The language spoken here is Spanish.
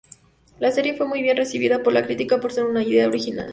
La serie fue bien recibida por la crítica por ser una idea original.